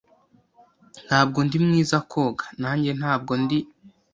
"Ntabwo ndi mwiza koga." "Nanjye ntabwo ndi."